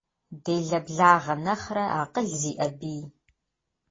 Делэ благъэ нэхърэ, акъыл зиӀэ бий.